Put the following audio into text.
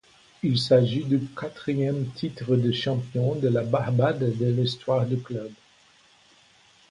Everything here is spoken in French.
Il s’agit du quatrième titre de champion de la Barbade de l'histoire du club.